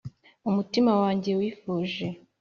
umutima wanjye wifuje